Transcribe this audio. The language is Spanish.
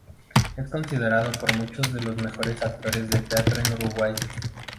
Es considerado por muchos de los mejores actores de teatro en Uruguay.